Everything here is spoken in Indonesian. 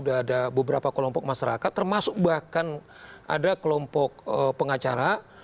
ada beberapa kelompok masyarakat termasuk bahkan ada kelompok pengacara